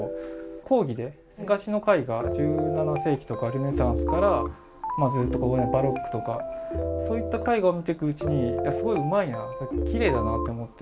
講義で、昔の絵画１７世紀とかルネサンスとかずっとバロックとか、そういった絵画を見ていくうちに、すごいうまいな、きれいだなって思って。